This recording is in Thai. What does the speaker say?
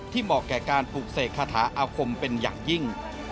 เหมาะแก่การปลูกเสกคาถาอาคมเป็นอย่างยิ่ง